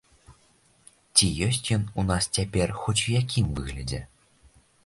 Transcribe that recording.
Ці ёсць ён у нас цяпер хоць у якім выглядзе?